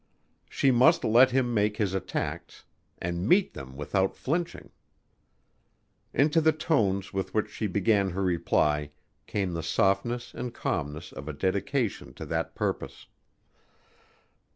She must let him make his attacks and meet them without flinching. Into the tones with which she began her reply came the softness and calmness of a dedication to that purpose.